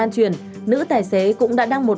cho nên là tôi